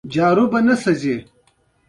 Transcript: درېیمه برخه د کمي څېړنو په اړه ده.